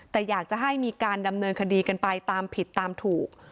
แต่อยากจะให้มีการดำเนินคดีกันไปตามผิดตามถูก